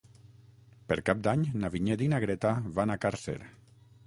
Per Cap d'Any na Vinyet i na Greta van a Càrcer.